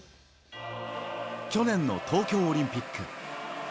去年の東京オリンピック。